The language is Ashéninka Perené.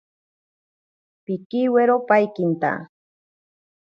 Pikiwiro paikinta.